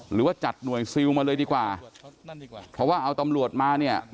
หรือว่าจัดหน่วยซิลมาเลยดีกว่าเพราะว่าเอาตำรวจมาเนี่ย